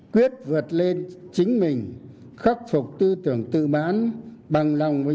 quyết vượt lên chính mình khắc phục tư tưởng tự bán